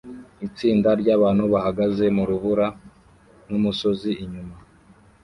Itsinda ryabantu bahagaze mu rubura n'umusozi inyuma